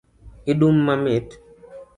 Hidung' mamit .